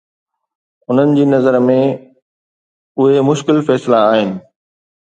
انهن جي نظر ۾، اهي مشڪل فيصلا آهن؟